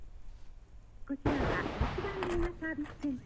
こちらは留守番電話サービスセンターです。